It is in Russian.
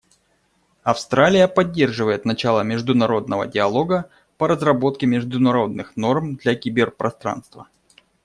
Австралия поддерживает начало международного диалога по разработке международных норм для киберпространства.